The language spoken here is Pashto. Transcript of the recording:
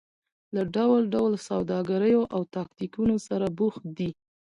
له ډول ډول سوداګریو او تاکتیکونو سره بوخت دي.